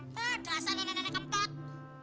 padahal sana nenek kempot